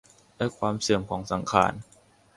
และความเสื่อมของสังขาร